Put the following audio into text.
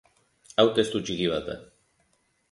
Hau testu txiki bat da.